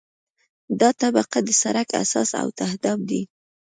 دا طبقه د سرک اساس او تهداب دی